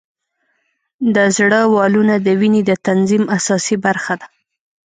د زړه والونه د وینې د تنظیم اساسي برخه ده.